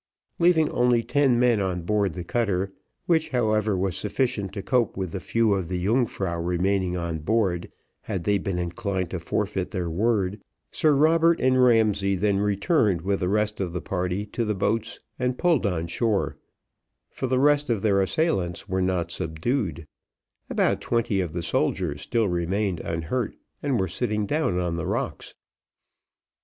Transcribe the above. Leaving only ten men on board the cutter, which, however, was sufficient to cope with the few of the Yungfrau remaining on board, had they been inclined to forfeit their word, Sir Robert and Ramsay then returned with the rest of the party to the boats, and pulled on shore, for the rest of their assailants were not subdued; about twenty of the soldiers still remained unhurt and were sitting down on the rocks.